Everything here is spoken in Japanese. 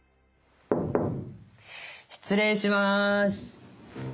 失礼します。